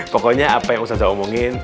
pokoknya apa yang ustazah omongin